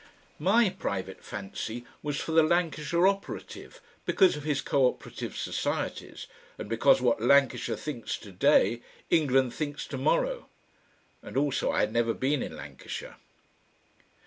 My private fancy was for the Lancashire operative because of his co operative societies, and because what Lancashire thinks to day England thinks to morrow.... And also I had never been in Lancashire.